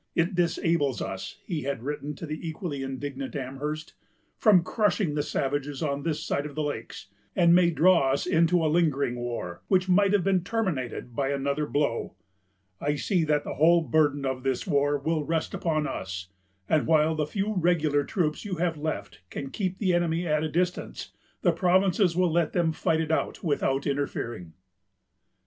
"It disables us," he had written to the equally indignant Amherst, "from crushing the savages on this side of the lakes, and may draw us into a lingering war, which might have been terminated by another blow.... I see that the whole burden of this war will rest upon us; and while the few regular troops you have left can keep the enemy at a distance, the Provinces will let them fight it out without interfering."